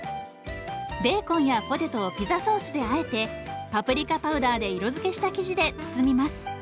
ベーコンやポテトをピザソースであえてパプリカパウダーで色づけした生地で包みます。